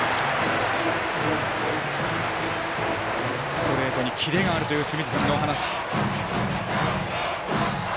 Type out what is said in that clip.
ストレートにキレがあるという清水さんのお話。